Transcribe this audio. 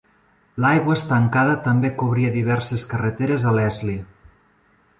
L'aigua estancada també cobria diverses carreteres a Leslie.